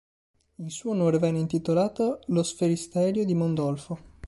In suo onore venne intitolato lo sferisterio di Mondolfo.